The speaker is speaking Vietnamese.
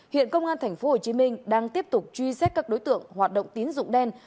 hiện công an tp hcm đang tiếp tục truy xét các đối tượng hoạt động tín dụng đen